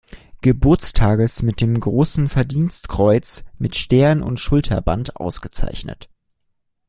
Geburtstages mit dem Großen Verdienstkreuz mit Stern und Schulterband ausgezeichnet.